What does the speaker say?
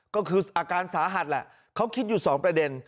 ก็คืออาการสาหัสแหละเขาคิดอยู่๒ประเด็น